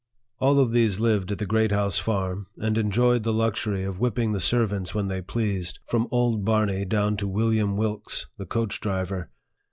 All of these lived at the Great House Farm, and enjoyed the luxury of whipping the servants when they pleased, from old Barney down to William Wilkes, the coach driver.